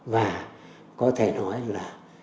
và có thể nói là